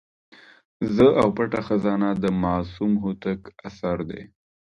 زه او پټه خزانه د معصوم هوتک اثر دی.